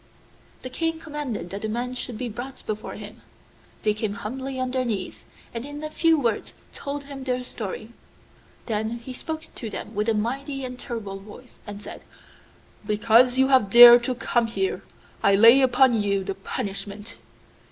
The King commanded that the men should be brought before him. They came humbly on their knees, and in a few words told him their story. Then he spoke to them with a mighty and terrible voice, and said, 'Because you have dared to come here, I lay upon you the punishment.